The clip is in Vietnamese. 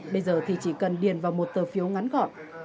bây giờ thì chỉ cần điền vào một tờ phiếu ngắn gọn